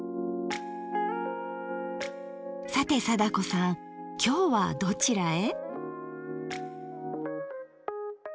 さて貞子さんきょうはどちらへ？